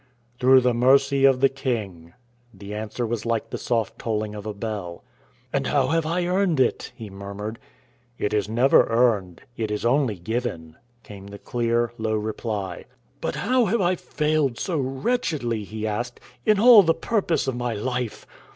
"Through the mercy of the King" the answer was like the soft tolling of a bell. "And how have I earned it?" he murmured. "It is never earned; it is only given," came the clear, low reply. "But how have I failed so wretchedly," he asked, "in all the purpose of my life?